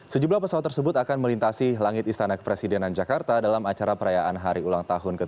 sejumlah pesawat tersebut akan melintasi langit istana kepresidenan jakarta dalam acara perayaan hari ulang tahun ke dua puluh